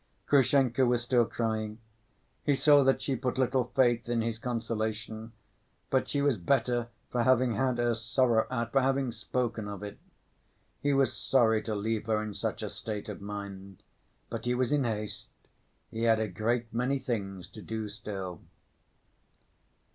Grushenka was still crying. He saw that she put little faith in his consolation, but she was better for having had her sorrow out, for having spoken of it. He was sorry to leave her in such a state of mind, but he was in haste. He had a great many things to do still.